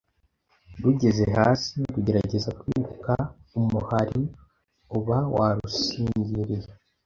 rugeze hasi rugerageza kwiruka, umuhari uba warusingiriye